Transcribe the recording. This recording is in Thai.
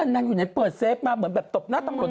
นางอยู่ไหนเปิดเซฟมาเหมือนแบบตบหน้าตำรวจ